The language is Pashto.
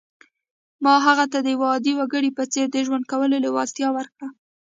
ما هغه ته د یوه عادي وګړي په څېر د ژوند کولو لېوالتیا ورکړه